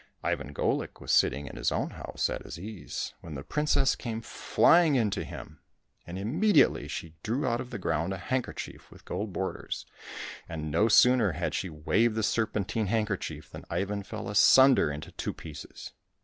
Ivan Golik was sitting in his own house at his ease, when the princess came flying in to him. And imme diately she drew out of the ground a handkerchief with gold borders, and no sooner had she waved this serpentine handkerchief, than Ivan fell asunder into two pieces.